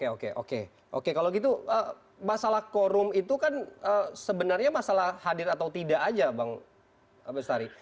oke oke kalau gitu masalah korum itu kan sebenarnya masalah hadir atau tidak aja bang bestari